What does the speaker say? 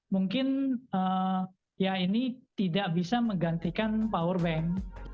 mungkin ya ini tidak bisa menggantikan power bank